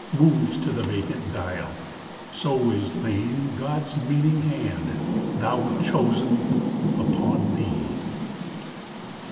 Moves to the vacant dial, so is lain God's meaning Hand, thou chosen, upon thee.